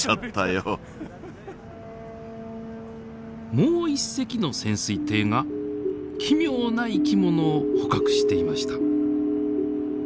もう一隻の潜水艇が奇妙な生き物を捕獲していました。